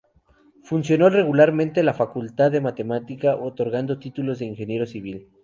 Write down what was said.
Funcionó regularmente la Facultad de Matemática otorgando títulos de ingeniero civil.